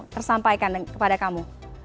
tersampaikan kepada kamu